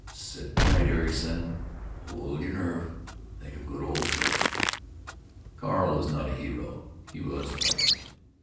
Sit tight, Ericson; hold y' nerve; think of good old Turk." Carl was not a hero. He was frightened.